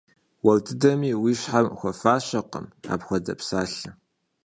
Уэр дыдэми уи щхьэм хуэфащэкъым апхуэдэ псалъэ.